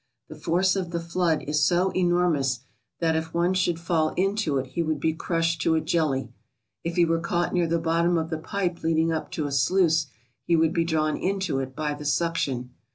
The force of the flood is so enormous 193 ALASKA OUR NORTHERN WONDERLAND that if one should fall into it he would be crushed to a jelly. If he were caught near the bottom of the pipe leading up to a sluice he would be drawn into it by the suction.